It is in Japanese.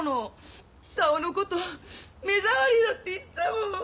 久男のこと目障りだって言ったもん。